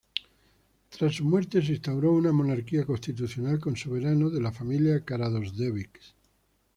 Tras su muerte se instauró una monarquía constitucional con soberanos de la familia Karađorđević.